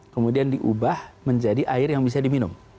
kemudian diubah menjadi air yang bisa diminum